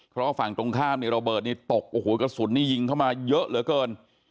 เพราะฝั่งตรงข้ามนี่ระเบิดนี่ตกโอ้โหกระสุนนี่ยิงเข้ามาเยอะเหลือเกิน